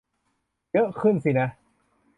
เยอะขึ้นสินะ